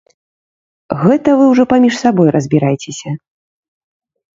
Гэта вы ўжо паміж сабой разбірайцеся.